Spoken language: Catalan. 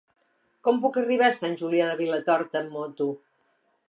Com puc arribar a Sant Julià de Vilatorta amb moto?